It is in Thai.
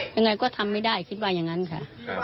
ยังไงก็ทำไม่ได้คิดว่าอย่างนั้นค่ะ